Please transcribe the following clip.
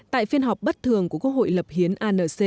tại phiên họp bất thường của quốc hội lập hiến anc